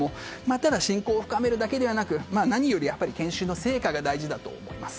ただ親交を深めるだけではなく何より、研修の成果が大事だと思います。